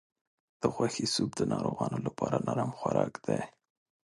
د غوښې سوپ د ناروغانو لپاره نرم خوراک دی.